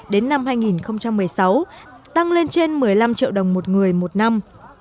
đến năm hai nghìn một mươi sáu tăng lên trên một mươi năm triệu đồng một người một năm